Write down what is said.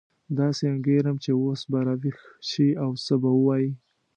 داسې انګېرم چې اوس به راویښ شي او څه به ووایي.